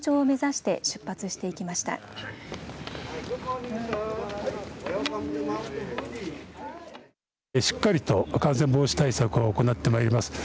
しっかりと感染防止対策を行ってまいります。